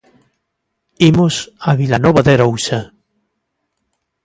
Imos a Vilanova de Arousa.